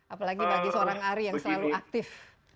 apalagi bagi seorang ari yang selalu aktif